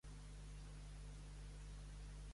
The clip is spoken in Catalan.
És una masia amb un cos central, originari i dos laterals.